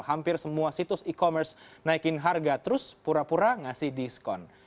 hampir semua situs e commerce naikin harga terus pura pura ngasih diskon